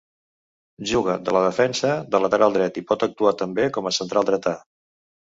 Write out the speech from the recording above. Juga de la defensa de lateral dret i pot actuar també com a central dretà.